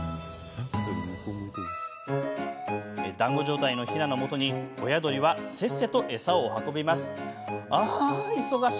団子状態のひなのもとに親鳥は、せっせと餌を運びます。